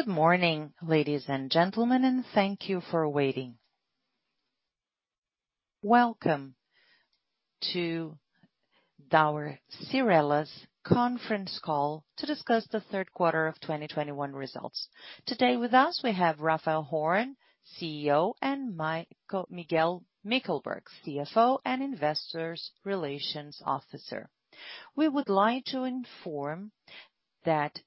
Good morning, ladies and gentlemen, and thank you for waiting. Welcome to our Cyrela's conference call to discuss the third quarter of 2021 results. Today with us we have Raphael Horn, CEO, and Miguel Mickelberg, CFO and Investor Relations Officer. We would like to inform that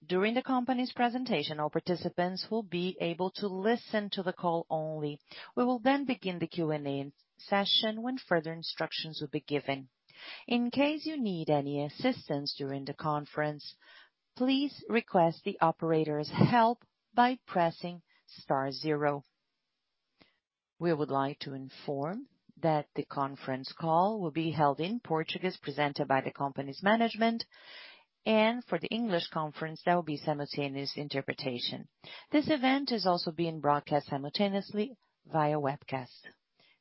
during the company's presentation, all participants will be able to listen to the call only. We will then begin the Q&A session when further instructions will be given. In case you need any assistance during the conference, please request the operator's help by pressing star zero. We would like to inform that the conference call will be held in Portuguese, presented by the company's management, and for the English conference, there will be simultaneous interpretation. This event is also being broadcast simultaneously via webcast.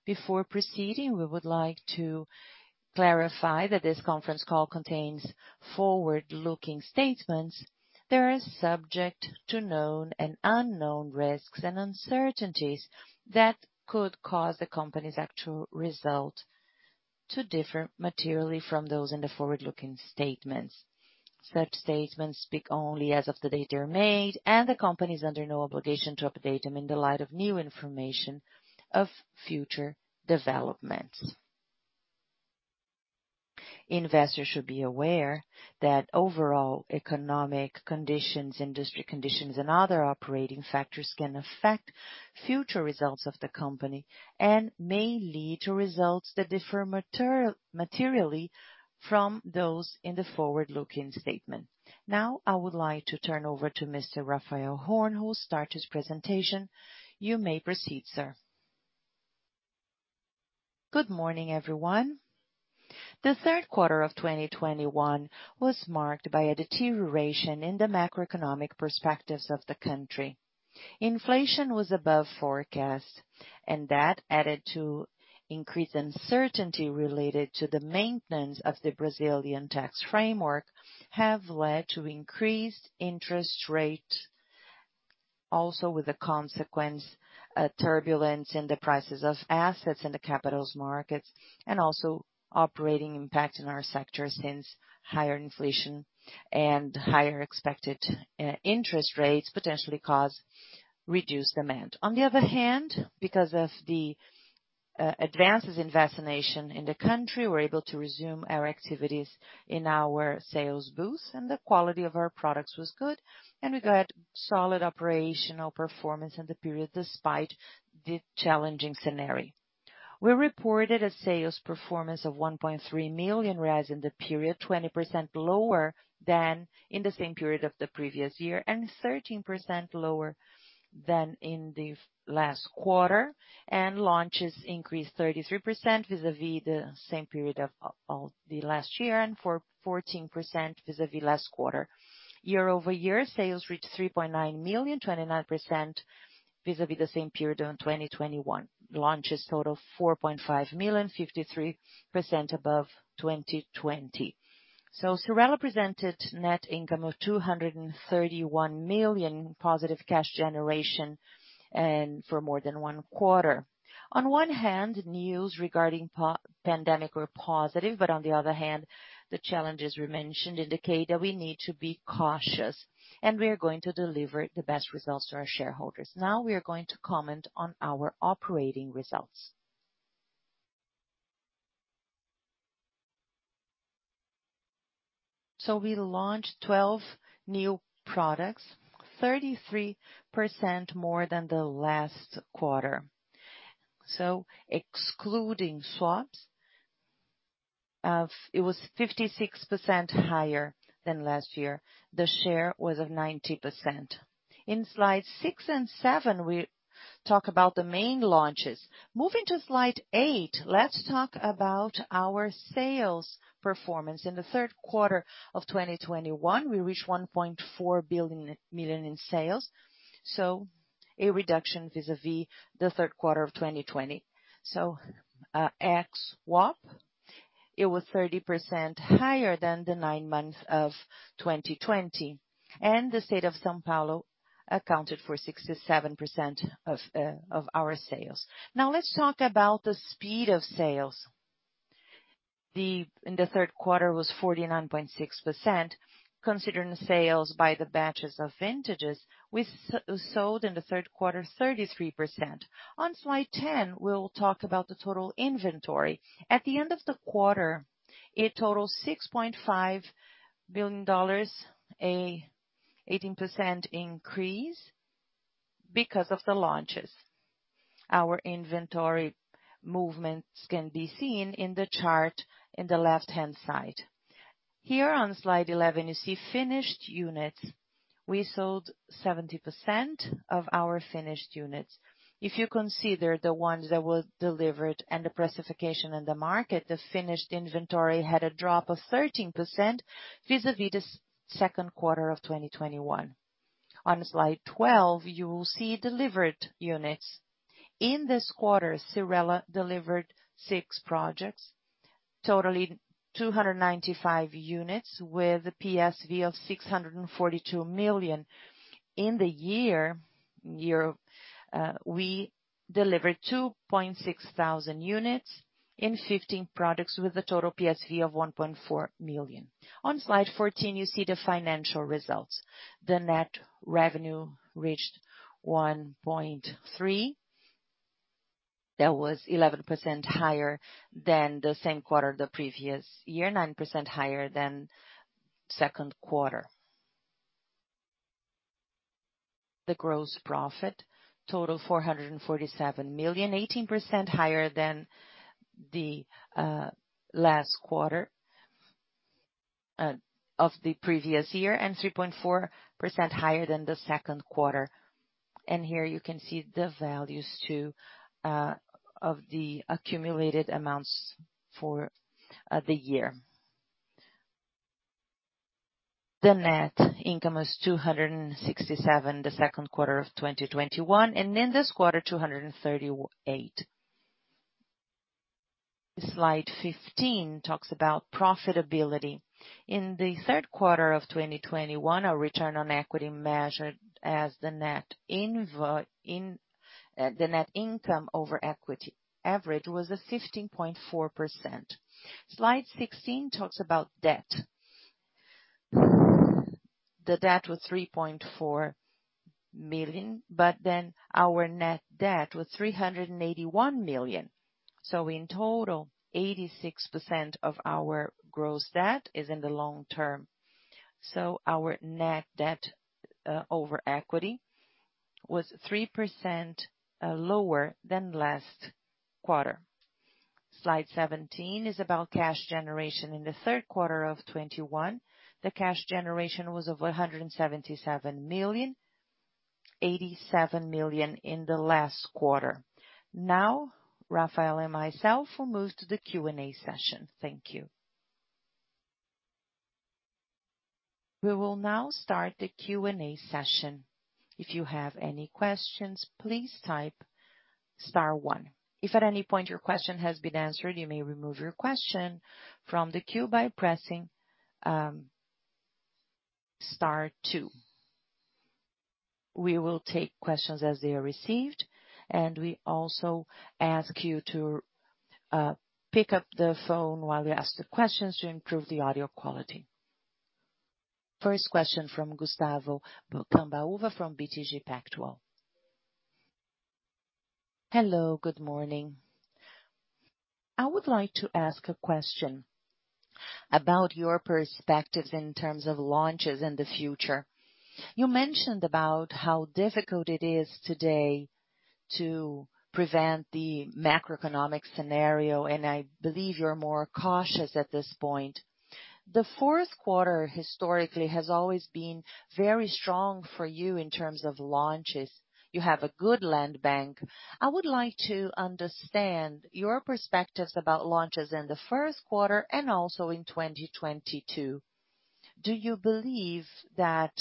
Before proceeding, we would like to clarify that this conference call contains forward-looking statements that are subject to known and unknown risks and uncertainties that could cause the company's actual result to differ materially from those in the forward-looking statements. Such statements speak only as of the date they are made, and the company is under no obligation to update them in the light of new information of future developments. Investors should be aware that overall economic conditions, industry conditions, and other operating factors can affect future results of the company and may lead to results that differ materially from those in the forward-looking statement. Now, I would like to turn over to Mr. Raphael Horn, who will start his presentation. You may proceed, sir. Good morning, everyone. The third quarter of 2021 was marked by a deterioration in the macroeconomic perspectives of the country. Inflation was above forecast, and that added to increased uncertainty related to the maintenance of the Brazilian tax framework have led to increased interest rates also with the consequence, turbulence in the prices of assets in the capital markets and also operating impact in our sector since higher inflation and higher expected interest rates potentially cause reduced demand. On the other hand, because of the advances in vaccination in the country, we're able to resume our activities in our sales booths, and the quality of our products was good, and we got solid operational performance in the period despite the challenging scenario. We reported a sales performance of 1.3 million in the period, 20% lower than in the same period of the previous year and 13% lower than in the last quarter. Launches increased 33% vis-a-vis the same period of the last year, and 14% vis-a-vis last quarter. Year-over-year, sales reached 3.9 million, 29% vis-a-vis the same period in 2021. Launches total 4.5 million, 53% above 2020. Cyrela presented net income of 231 million positive cash generation and for more than one quarter. On one hand, news regarding pandemic were positive, but on the other hand, the challenges we mentioned indicate that we need to be cautious, and we are going to deliver the best results to our shareholders. Now we are going to comment on our operating results. We launched 12 new products, 33% more than the last quarter. Excluding swaps, it was 56% higher than last year. The share was of 90%. In slide six and seven, we talk about the main launches. Moving to slide eight, let's talk about our sales performance. In the third quarter of 2021, we reached 1.4 billion in sales, a reduction vis-à-vis the third quarter of 2020. Ex-swap, it was 30% higher than the nine months of 2020. The state of São Paulo accounted for 67% of our sales. Now let's talk about the speed of sales in the third quarter, which was 49.6%. Considering sales by the batches of vintages, we sold in the third quarter, 33%. On slide 10, we'll talk about the total inventory. At the end of the quarter, it totals BRL 6.5 billion, an 18% increase because of the launches. Our inventory movements can be seen in the chart in the left-hand side. Here on slide 11, you see finished units. We sold 70% of our finished units. If you consider the ones that were delivered and the pricing in the market, the finished inventory had a drop of 13% vis-à-vis the second quarter of 2021. On slide 12, you will see delivered units. In this quarter, Cyrela delivered six projects. Total 295 units with a PSV of 642 million. In the year, we delivered 2,600 units in 15 products with a total PSV of 1.4 billion. On slide 14, you see the financial results. The net revenue reached 1.3 billion. That was 11% higher than the same quarter the previous year, 9% higher than second quarter. The gross profit totaled 447 million, 18% higher than the last quarter of the previous year, and 3.4% higher than the second quarter. Here you can see the values too, of the accumulated amounts for the year. The net income was 267 million in the second quarter of 2021, and in this quarter, 238 million. Slide 15 talks about profitability. In the third quarter of 2021, our return on equity measured as the net income over equity average was 15.4%. Slide 16 talks about debt. The debt was 3.4 million, but then our net debt was 381 million. In total, 86% of our gross debt is in the long term. Our net debt over equity was 3% lower than last quarter. Slide 17 is about cash generation. In Q3 2021, the cash generation was over 177 million, 87 million in the last quarter. Now, Raphael and myself will move to the Q&A session. Thank you. We will now start the Q&A session. If you have any questions, please type star one. If at any point your question has been answered, you may remove your question from the queue by pressing star two. We will take questions as they are received, and we also ask you to pick up the phone while we ask the questions to improve the audio quality. First question from Gustavo Cambauva from BTG Pactual. Hello, good morning. I would like to ask a question about your perspectives in terms of launches in the future. You mentioned about how difficult it is today to predict the macroeconomic scenario, and I believe you're more cautious at this point. The fourth quarter historically has always been very strong for you in terms of launches. You have a good land bank. I would like to understand your perspectives about launches in the first quarter and also in 2022. Do you believe that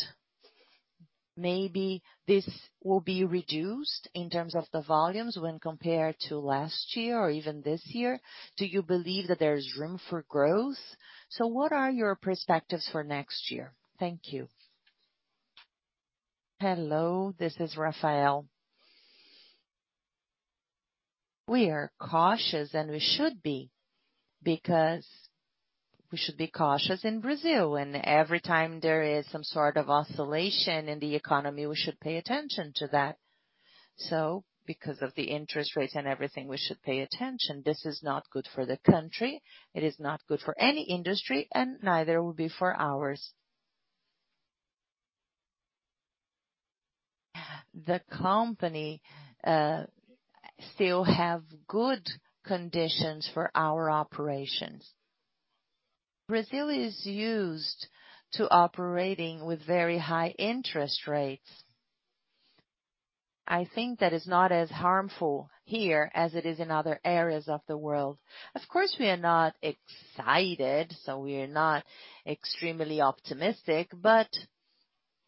maybe this will be reduced in terms of the volumes when compared to last year or even this year? Do you believe that there is room for growth? What are your perspectives for next year? Thank you. Hello, this is Raphael. We are cautious, and we should be, because we should be cautious in Brazil, and every time there is some sort of oscillation in the economy, we should pay attention to that. Because of the interest rates and everything, we should pay attention. This is not good for the country, it is not good for any industry, and neither will be for ours. The company still have good conditions for our operations. Brazil is used to operating with very high interest rates. I think that is not as harmful here as it is in other areas of the world. Of course, we are not excited, so we are not extremely optimistic, but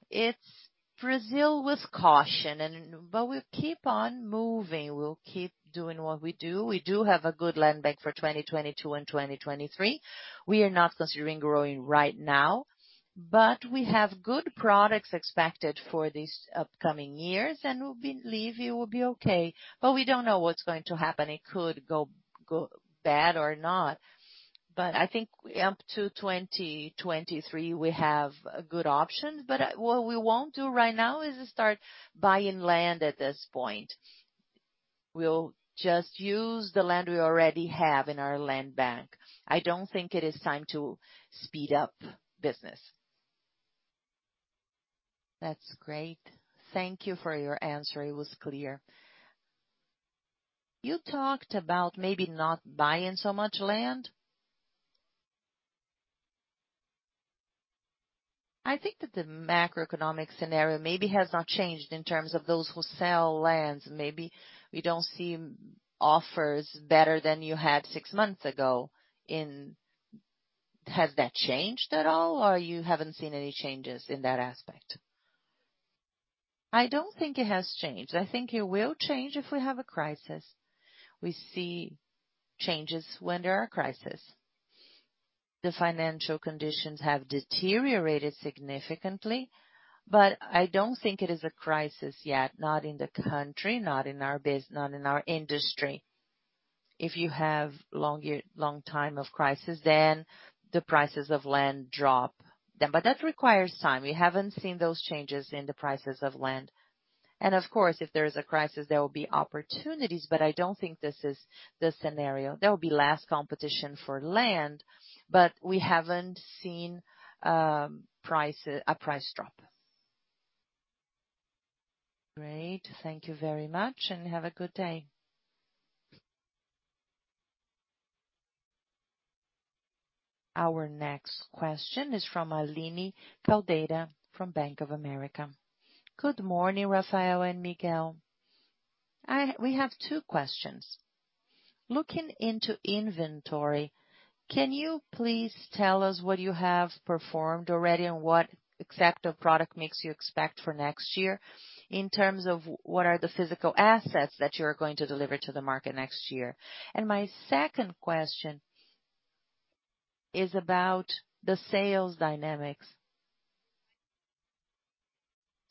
it's Brazil with caution. We'll keep on moving. We'll keep doing what we do. We do have a good land bank for 2022 and 2023. We are not considering growing right now, but we have good products expected for these upcoming years, and we believe it will be okay, but we don't know what's going to happen. It could go bad or not. I think up to 2023 we have a good option. What we won't do right now is start buying land at this point. We'll just use the land we already have in our land bank. I don't think it is time to speed up business. That's great. Thank you for your answer. It was clear. You talked about maybe not buying so much land. I think that the macroeconomic scenario maybe has not changed in terms of those who sell lands. Maybe we don't see offers better than you had six months ago. Has that changed at all, or you haven't seen any changes in that aspect? I don't think it has changed. I think it will change if we have a crisis. We see changes when there are crises. The financial conditions have deteriorated significantly, but I don't think it is a crisis yet. Not in the country, not in our industry. If you have long time of crisis, then the prices of land drop then. But that requires time. We haven't seen those changes in the prices of land. Of course, if there is a crisis, there will be opportunities, but I don't think this is the scenario. There will be less competition for land, but we haven't seen a price drop. Great. Thank you very much, and have a good day. Our next question is from Aline Caldeira from Bank of America. Good morning, Raphael and Miguel. We have two questions. Looking into inventory, can you please tell us what you have performed already and what exact product mix you expect for next year in terms of what are the physical assets that you are going to deliver to the market next year? My second question is about the sales dynamics.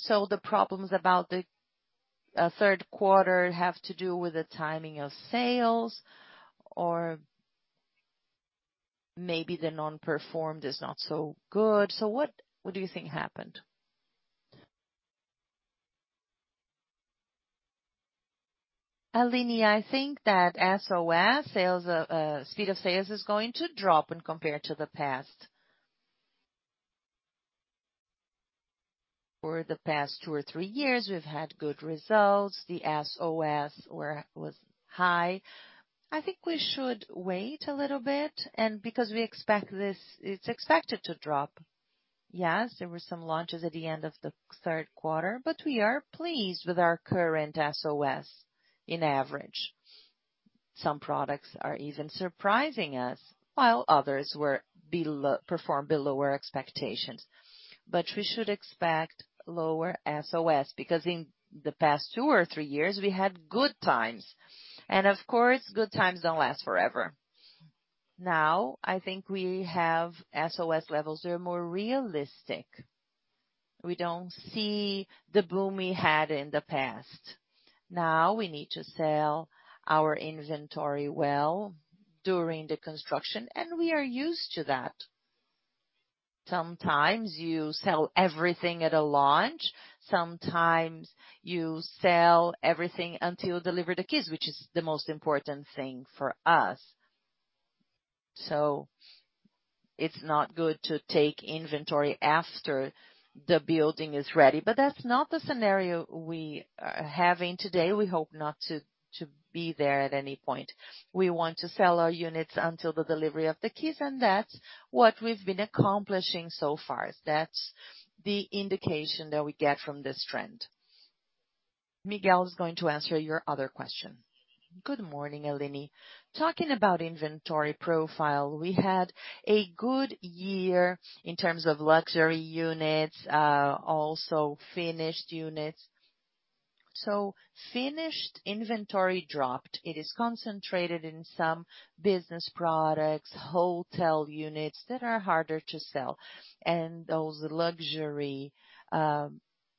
The problems about the third quarter have to do with the timing of sales, or maybe the performance is not so good. What do you think happened? Aline, I think that SOS sales speed of sales is going to drop when compared to the past. For the past two or three years, we've had good results, the SOS was high. I think we should wait a little bit and because we expect it's expected to drop. Yes, there were some launches at the end of the third quarter, but we are pleased with our current SOS on average. Some products are even surprising us, while others performed below our expectations. We should expect lower SOS because in the past two or three years, we had good times. Of course, good times don't last forever. Now, I think we have SOS levels that are more realistic. We don't see the boom we had in the past. Now we need to sell our inventory well during the construction, and we are used to that. Sometimes you sell everything at a launch, sometimes you sell everything until you deliver the keys, which is the most important thing for us. It's not good to take inventory after the building is ready. That's not the scenario we are having today. We hope not to be there at any point. We want to sell our units until the delivery of the keys, and that's what we've been accomplishing so far. That's the indication that we get from this trend. Miguel is going to answer your other question. Good morning, Aline. Talking about inventory profile, we had a good year in terms of luxury units, also finished units. Finished inventory dropped. It is concentrated in some business products, hotel units that are harder to sell. Those luxury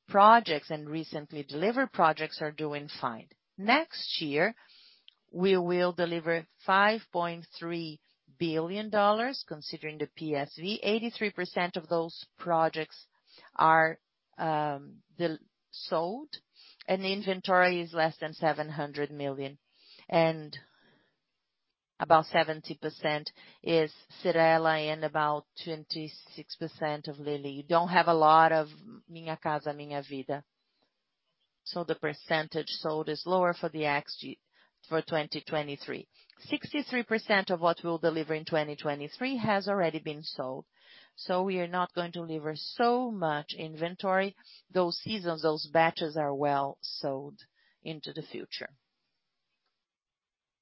projects and recently delivered projects are doing fine. Next year, we will deliver $5.3 billion considering the PSV. 83% of those projects are sold and the inventory is less than $700 million. About 70% is Cyrela and about 26% of Living. You don't have a lot of Minha Casa, Minha Vida. The percentage sold is lower for 2023. 63% of what we'll deliver in 2023 has already been sold. We are not going to deliver so much inventory. Those seasons, those batches are well sold into the future.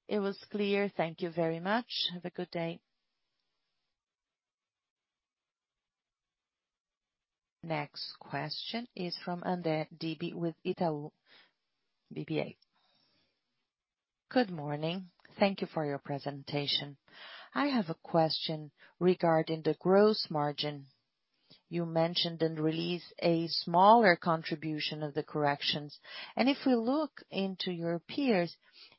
It was clear. Thank you very much. Have a good day. Next question is from André Dibe with Itaú BBA. Good morning. Thank you for your presentation. I have a question regarding the gross margin. You mentioned and released a smaller contribution of the concessions. If we look into your peers,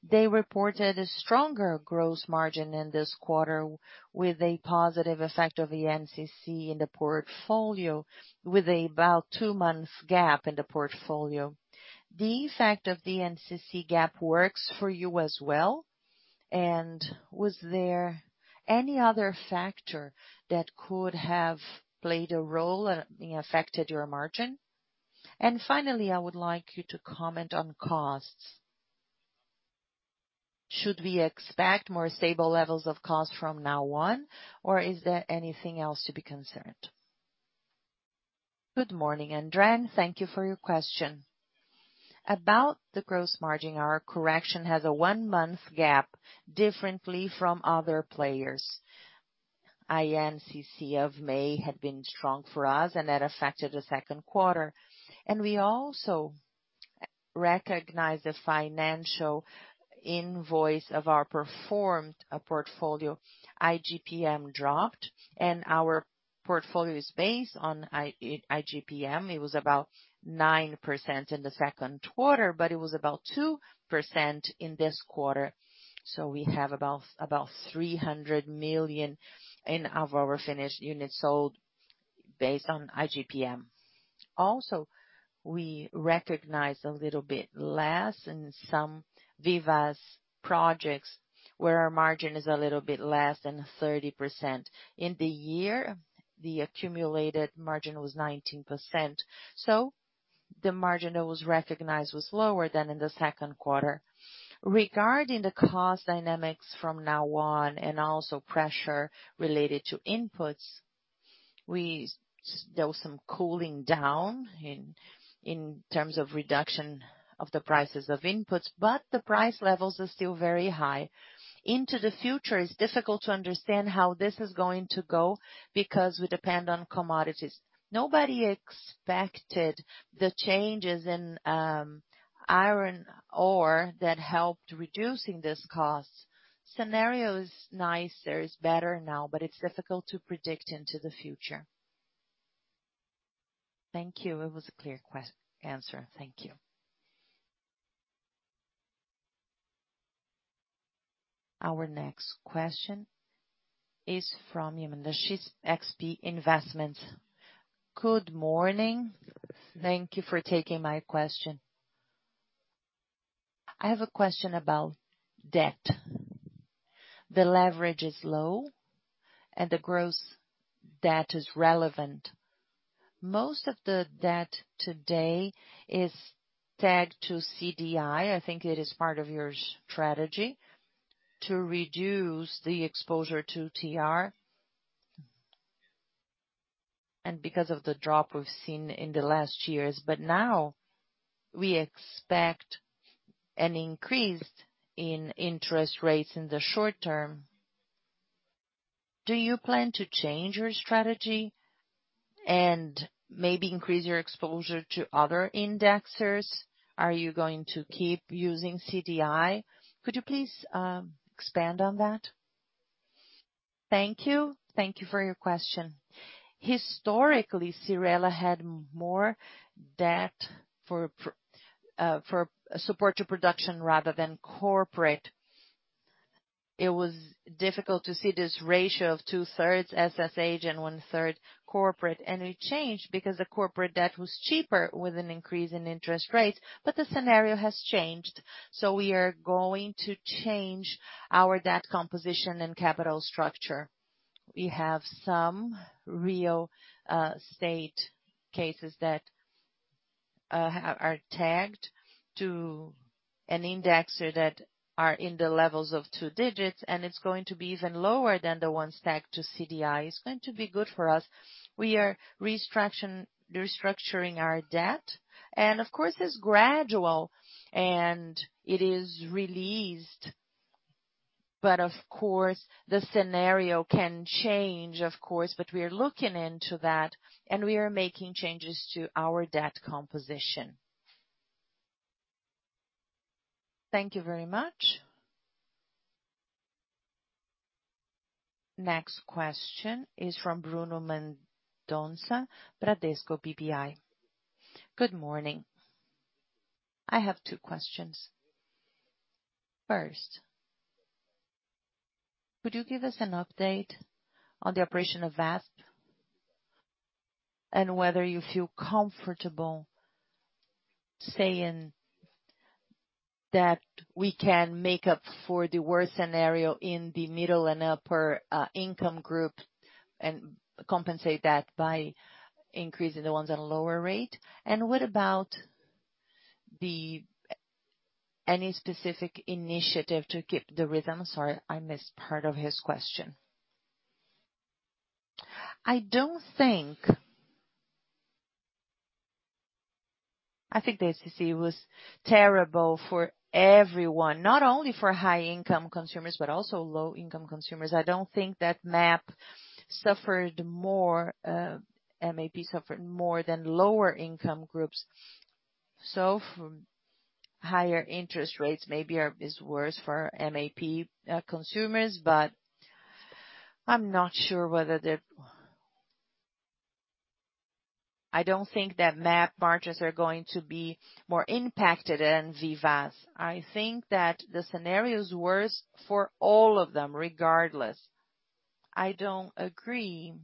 they reported a stronger gross margin in this quarter with a positive effect of the INCC in the portfolio, with about two months gap in the portfolio. The effect of the INCC gap works for you as well, and was there any other factor that could have played a role and, you know, affected your margin? Finally, I would like you to comment on costs. Should we expect more stable levels of cost from now on, or is there anything else to be concerned? Good morning, André. Thank you for your question. About the gross margin, our correction has a one month gap differently from other players. INCC of May had been strong for us and that affected the second quarter. We also recognized the financial invoice of our performed portfolio. IGPM dropped and our portfolio is based on IGPM. It was about 9% in the second quarter, but it was about 2% in this quarter. So we have about 300 million of our finished units sold based on IGPM. We recognized a little bit less in some Vivaz projects where our margin is a little bit less than 30%. In the year, the accumulated margin was 19%, so the margin that was recognized was lower than in the second quarter. Regarding the cost dynamics from now on and also pressure related to inputs, there was some cooling down in terms of reduction of the prices of inputs, but the price levels are still very high. Into the future, it's difficult to understand how this is going to go because we depend on commodities. Nobody expected the changes in iron ore that helped reducing this cost. Scenario is nicer, is better now, but it's difficult to predict into the future. Thank you. It was a clear answer. Thank you. Our next question is from Amanda Schiz, XP Investimentos. Good morning. Thank you for taking my question. I have a question about debt. The leverage is low and the gross debt is relevant. Most of the debt to date is tagged to CDI. I think it is part of your strategy to reduce the exposure to TR. Because of the drop we've seen in the last years, but now we expect an increase in interest rates in the short term. Do you plan to change your strategy and maybe increase your exposure to other indexers? Are you going to keep using CDI? Could you please expand on that? Thank you. Thank you for your question. Historically, Cyrela had more debt for support to production rather than corporate. It was difficult to see this ratio of two-thirds SFH and one-third corporate. It changed because the corporate debt was cheaper with an increase in interest rates, but the scenario has changed. We are going to change our debt composition and capital structure. We have some real estate cases that are tagged to an indexer that are in the levels of two digits, and it's going to be even lower than the ones tagged to CDI. It's going to be good for us. We are restructuring our debt. Of course, it's gradual and it is released. Of course, the scenario can change, of course, but we are looking into that and we are making changes to our debt composition. Thank you very much. Next question is from Bruno Mendonça, Bradesco BBI. Good morning. I have two questions. First, would you give us an update on the operation of Vasp and whether you feel comfortable saying that we can make up for the worst scenario in the middle and upper income group and compensate that by increasing the ones at a lower rate? What about any specific initiative to keep the rhythm? Sorry, I missed part of his question. I don't think the INCC was terrible for everyone, not only for high-income consumers, but also low-income consumers. I don't think that MAP suffered more than lower income groups. From higher interest rates, maybe is worse for MAP consumers, but I'm not sure. I don't think that MAP margins are going to be more impacted than Vivaz. I think that the scenario is worse for all of them regardless. I don't agree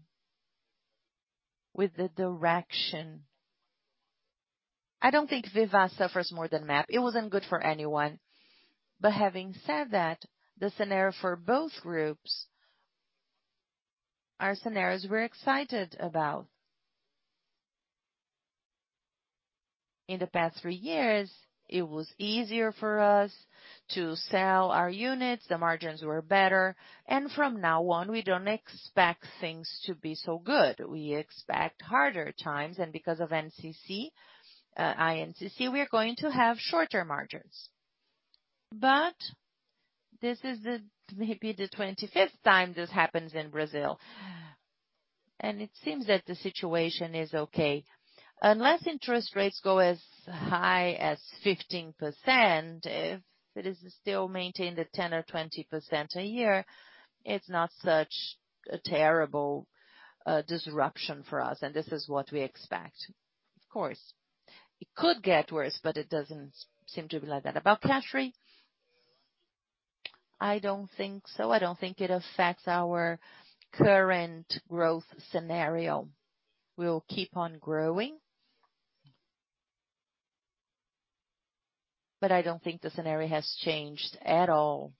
with the direction. I don't think Vivaz suffers more than MAP. It wasn't good for anyone. Having said that, the scenario for both groups are scenarios we're excited about. In the past three years, it was easier for us to sell our units. The margins were better. From now on, we don't expect things to be so good. We expect harder times. Because of INCC, we are going to have shorter margins. This is maybe the 25th time this happens in Brazil, and it seems that the situation is okay. Unless interest rates go as high as 15%, if it is still maintained at 10% or 20% a year, it's not such a terrible disruption for us, and this is what we expect. Of course, it could get worse, but it doesn't seem to be like that. About CashMe, I don't think so. I don't think it affects our current growth scenario. We'll keep on growing. I don't think the scenario has changed at all.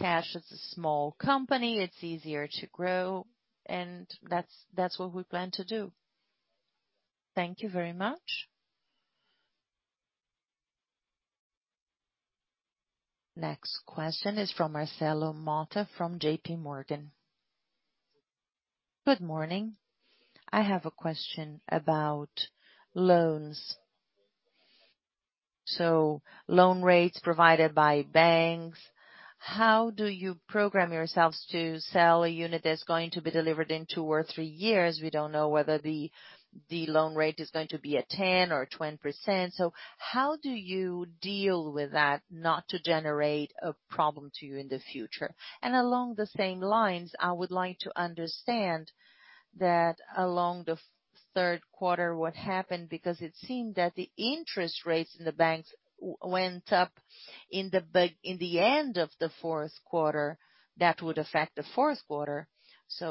CashMe is a small company. It's easier to grow, and that's what we plan to do. Thank you very much. Next question is from Marcelo Motta from JPMorgan. Good morning. I have a question about loans. Loan rates provided by banks, how do you program yourselves to sell a unit that's going to be delivered in two or three years? We don't know whether the loan rate is going to be a 10% or a 20%. How do you deal with that, not to generate a problem to you in the future? Along the same lines, I would like to understand what happened in the third quarter, because it seemed that the interest rates in the banks went up in the end of the fourth quarter that would affect the fourth quarter.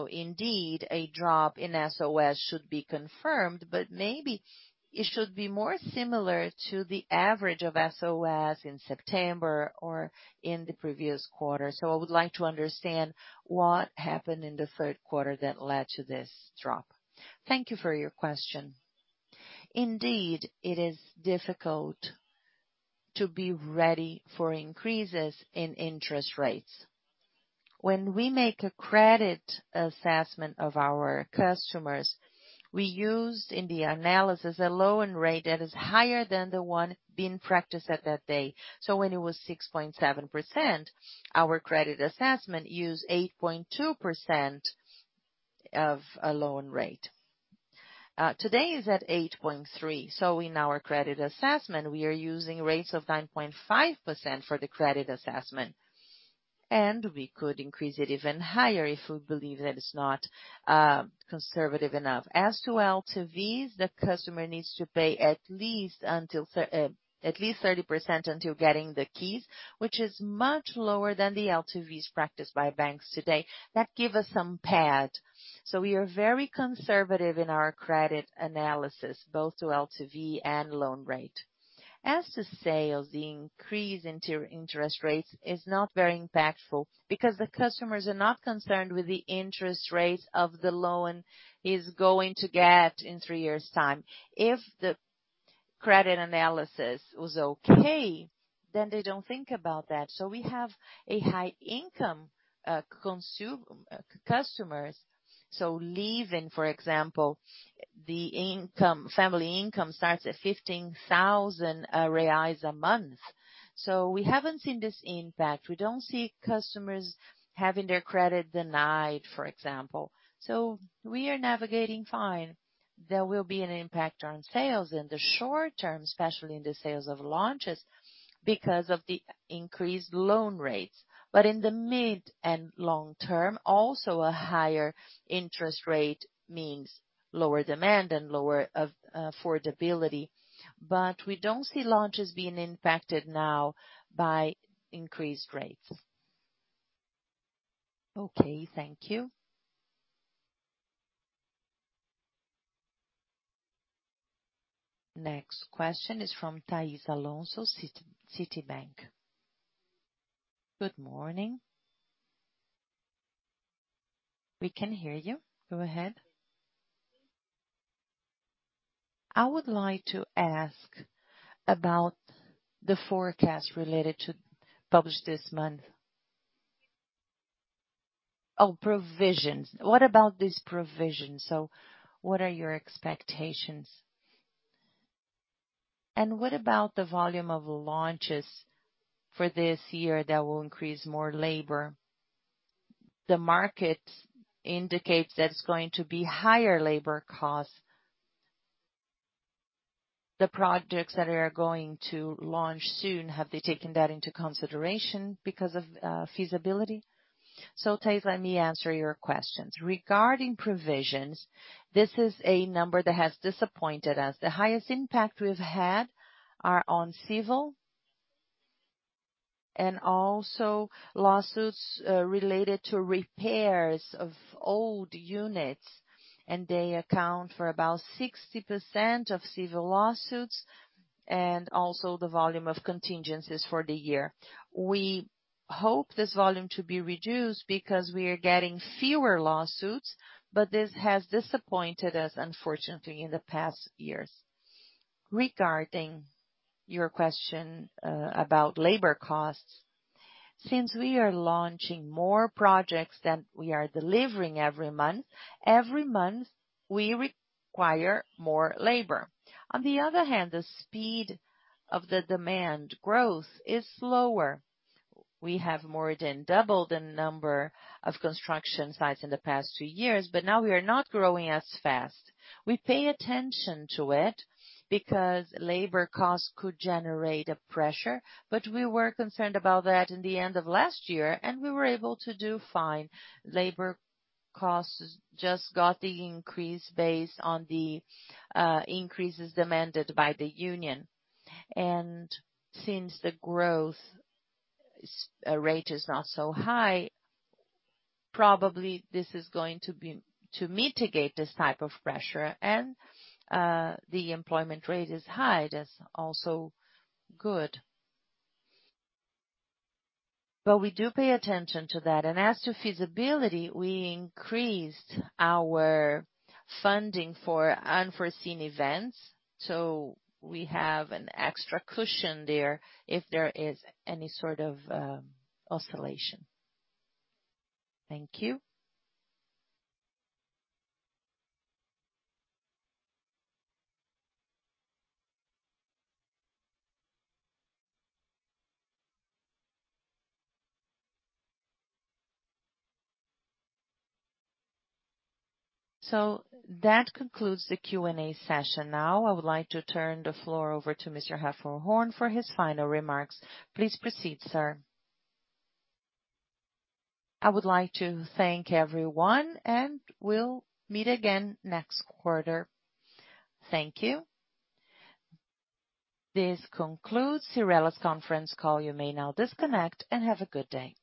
Indeed, a drop in SOS should be confirmed, but maybe it should be more similar to the average of SOS in September or in the previous quarter. I would like to understand what happened in the third quarter that led to this drop. Thank you for your question. Indeed, it is difficult to be ready for increases in interest rates. When we make a credit assessment of our customers, we use in the analysis a loan rate that is higher than the one being practiced at that day. When it was 6.7%, our credit assessment used 8.2% of a loan rate. Today is at 8.3%. In our credit assessment, we are using rates of 9.5% for the credit assessment, and we could increase it even higher if we believe that it's not conservative enough. As to LTVs, the customer needs to pay at least 30% until getting the keys, which is much lower than the LTVs practiced by banks today. That give us some pad. We are very conservative in our credit analysis, both to LTV and loan rate. As to sales, the increase in interest rates is not very impactful because the customers are not concerned with the interest rates of the loan is going to get in three years' time. If the credit analysis was okay, then they don't think about that. We have high income consumer customers. For example, family income starts at 15,000 reais a month. We haven't seen this impact. We don't see customers having their credit denied, for example. We are navigating fine. There will be an impact on sales in the short term, especially in the sales of launches because of the increased loan rates. In the mid and long term, also a higher interest rate means lower demand and lower affordability. We don't see launches being impacted now by increased rates. Okay, thank you. Next question is from Thais Alonso, Citibank. Good morning. We can hear you. Go ahead. I would like to ask about the forecast related to provisions published this month. What about this provision? What are your expectations? What about the volume of launches for this year that will increase more labor? The market indicates that it's going to be higher labor costs. The projects that are going to launch soon, have they taken that into consideration because of feasibility? Thais, let me answer your questions. Regarding provisions, this is a number that has disappointed us. The highest impact we've had are on civil and also lawsuits related to repairs of old units, and they account for about 60% of civil lawsuits and also the volume of contingencies for the year. We hope this volume to be reduced because we are getting fewer lawsuits, but this has disappointed us, unfortunately, in the past years. Regarding your question about labor costs. Since we are launching more projects than we are delivering every month, every month we require more labor. On the other hand, the speed of the demand growth is slower. We have more than doubled the number of construction sites in the past two years, but now we are not growing as fast. We pay attention to it because labor costs could generate a pressure, but we were concerned about that in the end of last year, and we were able to do fine. Labor costs just got the increase based on the increases demanded by the union. Since the growth rate is not so high, probably this is going to mitigate this type of pressure. The employment rate is high. That's also good. We do pay attention to that. As to feasibility, we increased our funding for unforeseen events, so we have an extra cushion there if there is any sort of oscillation. Thank you. That concludes the Q&A session now. I would like to turn the floor over to Mr. Raphael Horn for his final remarks. Please proceed, sir. I would like to thank everyone, and we'll meet again next quarter. Thank you. This concludes Cyrela's conference call. You may now disconnect and have a good day.